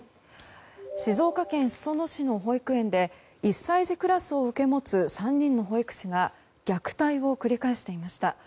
静岡県裾野市の保育園で１歳児クラスを受け持つ３人の保育士が虐待を繰り返していました。